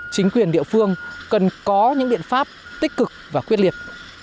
chính quyền địa phương cần có những biện pháp tích cực và quyết liệt